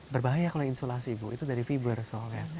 berbahaya kalau isolasi bu itu dari fiber soalnya